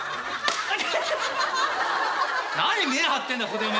何見え張ってんだここで！